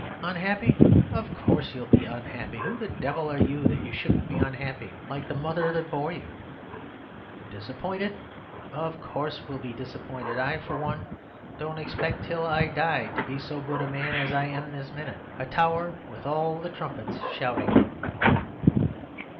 Unhappy! of course you'll be unhappy. Who the devil are you that you shouldn't be unhappy, like the mother that bore you? Disappointed! of course we'll be disappointed. I, for one, don't expect till I die to be so good a man as I am at this minute— a tower with all the trumpets shouting."